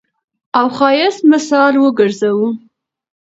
او ښايست مثال وګرځوو.